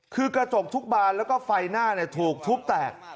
คือกระจกทุกบานแล้วก็ไฟหน้าถูกทุบแตก